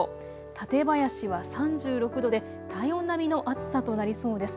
館林は３６度で体温並みの暑さとなりそうです。